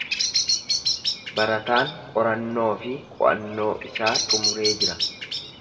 Barataan qorannoo fi qo'annoo isaa xumuree jira.